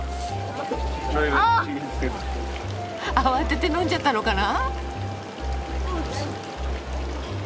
慌てて飲んじゃったのかな？